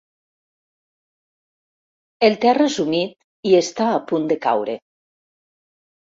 El terra és humit i està a punt de caure.